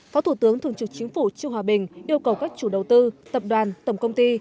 phó thủ tướng thường trực chính phủ trương hòa bình yêu cầu các chủ đầu tư tập đoàn tổng công ty